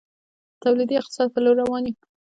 د تولیدي اقتصاد په لور روان یو؟